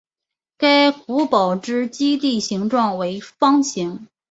该古堡之基地形状为方形。